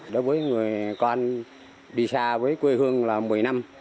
đối với người con đi xa với quê hương là một mươi năm